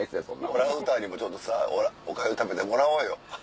オラウータンにもちょっとさお粥食べてもらおうよ。